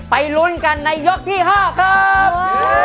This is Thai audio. ลุ้นกันในยกที่๕ครับ